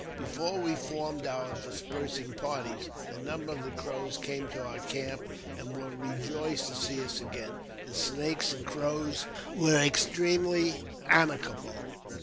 Before we formec our dispersing parties, a number of the Crows came to oi camp, and were rejoiced to see us again. The Snakes an< Crows were extremely amicable.